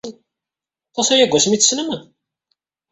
Aṭas aya seg wasmi ay t-tessnem?